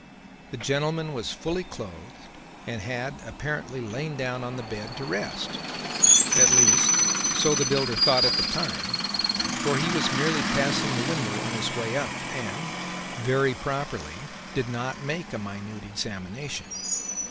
The gentleman was fully clothed and had apparently lain down on the bed to rest; at least so the builder thought at the time, for he was merely passing the window on his way up, and, very properly, did not make a minute examination.